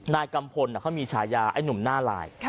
นายกัมพลเขามีฉายาไอ้หนุ่มหน้าลาย